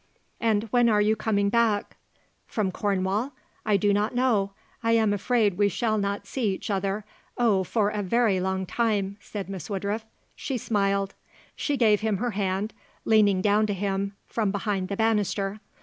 "And when are you coming back?" "From Cornwall? I do not know. I am afraid we shall not see each other oh, for a very long time," said Miss Woodruff. She smiled. She gave him her hand, leaning down to him from behind the banister.